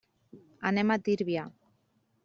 Anem a Tírvia.